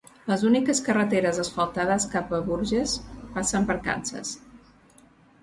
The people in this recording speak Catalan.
Les úniques carreteres asfaltades cap a Burgess passen per Kansas.